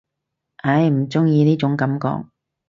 唉，唔中意呢種感覺